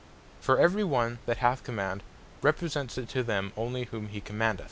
For every one that hath command, represents it to them only whom he commandeth.